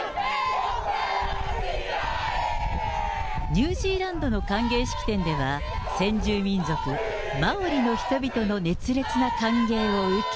ニュージーランドの歓迎式典では、先住民族、マオリの人々の熱烈な歓迎を受け。